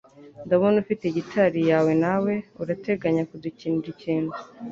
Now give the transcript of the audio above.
Ndabona ufite gitari yawe nawe. Urateganya kudukinira ikintu?